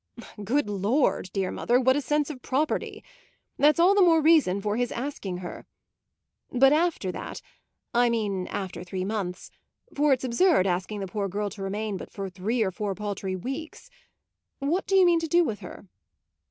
"Good Lord, dear mother; what a sense of property! That's all the more reason for his asking her. But after that I mean after three months (for its absurd asking the poor girl to remain but for three or four paltry weeks) what do you mean to do with her?"